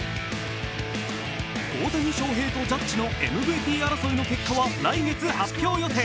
大谷翔平とジャッジのＭＶＰ争いの結果は来月発表予定。